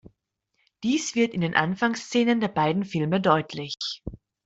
Dies wird in den Anfangsszenen der beiden Filme deutlich.